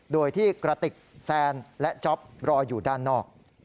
โดยที่กระติกแซนและจ๊อปรออยู่ด้านนอก